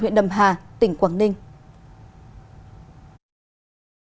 huyện đầm hà tỉnh quảng ninh